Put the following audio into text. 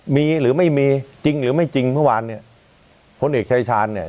มีหรือไม่มีจริงหรือไม่จริงเมื่อวานเนี่ยพลเอกชายชาญเนี่ย